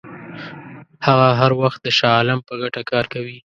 هغه هر وخت د شاه عالم په ګټه کار کوي.